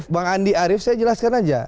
bang andi arief saya jelaskan aja